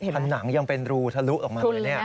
ผนังยังเป็นรูทะลุออกมาเลยเนี่ย